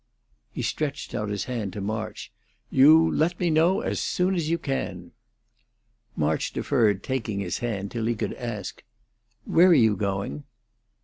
He stretched out his hand to March. "You let me know as soon as you can." March deferred taking his hand till he could ask, "Where are you going?"